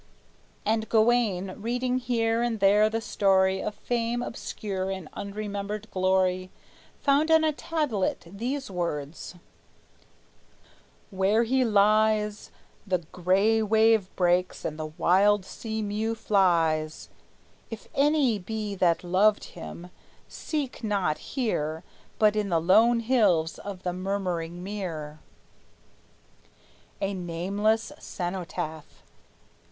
And Gawayne, reading here and there the story Of fame obscure and unremembered glory, Found on a tablet these words: "Where he lies, The gray wave breaks and the wild sea mew flies: If any be that loved him, seek not here, But in the lone hills by the Murmuring Mere." A nameless cenotaph!